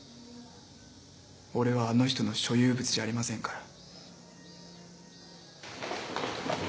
俺はあの人の所有物じゃありませんから。